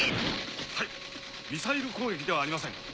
はいミサイル攻撃ではありません。